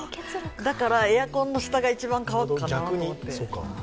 だからエアコンの下が一番乾くかなと思って。